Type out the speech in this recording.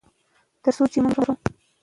تر څو چې موږ یې لرو.